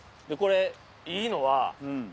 でこれいいのは。